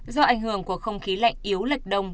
do ảnh hưởng của không khí lạnh yếu lệch đông